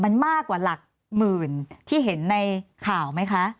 มันมากกว่าหลักหมื่นที่เห็นในข่าวไหมคะ